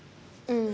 うん。